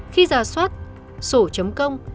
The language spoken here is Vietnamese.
khi rà soát sổ chấm công